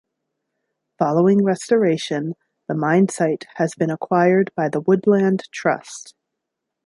Following restoration, the mine site has been acquired by the Woodland Trust.